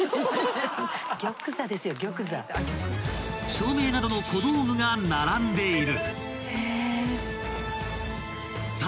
［照明などの小道具が並んでいる］